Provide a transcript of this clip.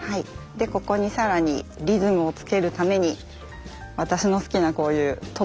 でここに更にリズムをつけるために私の好きなこういう飛ばし。